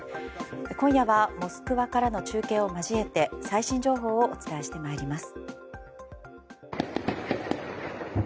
今夜はモスクワからの中継を交えて最新情報をお伝えしてまいります。